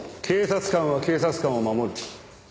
警察官は警察官を守る。